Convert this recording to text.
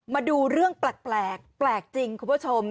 มาดูเรื่องแปลกแปลกจริงคุณผู้ชม